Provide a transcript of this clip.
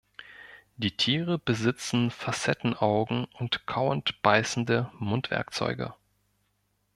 Die Tiere besitzen Facettenaugen und kauend-beißende Mundwerkzeuge.